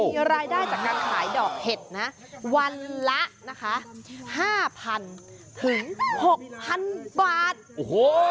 มีรายได้จากการขายดอกเห็ดนะวันละนะคะห้าพันถึงหกพันบาทโอ้โห